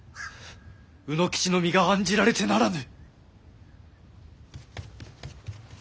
卯之吉の身が案じられてならぬ。